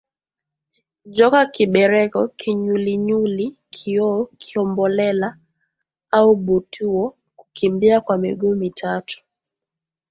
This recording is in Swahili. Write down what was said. Joka Kibereko Kinyulinyuli Kioo Kombolela au butuo Kukimbia kwa miguu mitatu